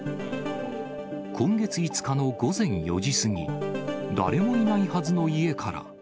今月５日の午前４時過ぎ、誰もいないはずの家から。